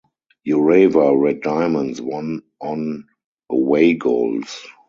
Urawa Red Diamonds won on away goals.